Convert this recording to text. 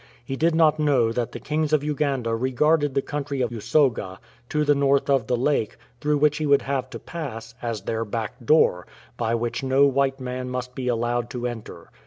He did not know that the kings of Uganda regarded the country of Usoga, to the north of the lake, through which he would have to pass, as their " back door,*" by which no white man must be allowed to enter.